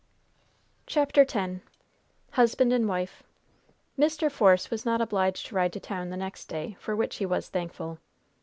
CHAPTER X HUSBAND AND WIFE Mr. Force was not obliged to ride to town the next day, for which he was thankful.